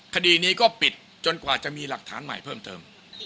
คดีนี้ก็ปิดจนกว่าจะมีหลักฐานใหม่เพิ่มเติม